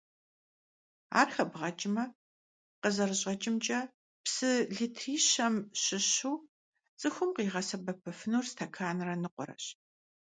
Ар хэбгъэкӀмэ, къызэрыщӀэкӀымкӀэ, псы литри щэм щыщу цӀыхум къигъэсэбэпыфынур стэканрэ ныкъуэрэщ.